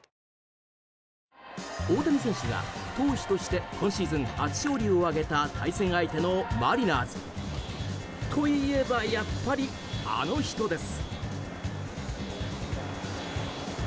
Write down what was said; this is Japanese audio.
大谷選手が投手として今シーズン初勝利を挙げた対戦相手のマリナーズ。といえば、やっぱりあの人です。